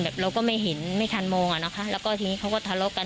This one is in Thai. เราก็ไม่เห็นไม่ทันมองอ่ะนะคะแล้วก็ทีนี้เขาก็ทะเลาะกัน